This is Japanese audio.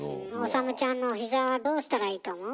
理ちゃんの膝はどうしたらいいと思う？